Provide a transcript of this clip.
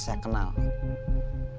sebenarnya bener saya kenal